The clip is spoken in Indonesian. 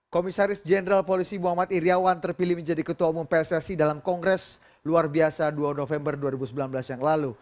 komisaris jenderal polisi muhammad iryawan terpilih menjadi ketua umum pssi dalam kongres luar biasa dua november dua ribu sembilan belas yang lalu